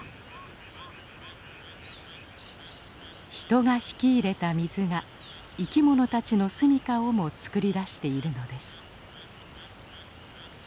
人が引き入れた水が生きものたちの住みかをも作り出しているのです。